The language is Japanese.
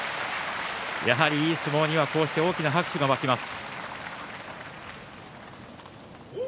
やはり、いい相撲にはこうして大きな拍手が沸きます。